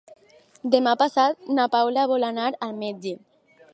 Demà passat na Paula vol anar al metge.